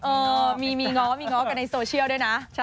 เออมีง้อมีง้อกันในโซเชียลด้วยนะ